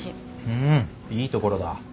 うんいいところだ。